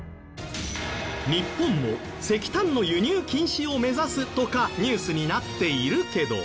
日本も石炭の輸入禁止を目指すとかニュースになっているけど。